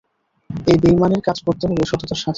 এই বেইমানির কাজ করতে হবে সততার সাথে।